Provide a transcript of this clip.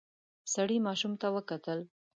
سړی ماشوم ته وکتل.